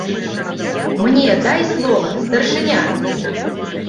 - Мне дай слова, старшыня!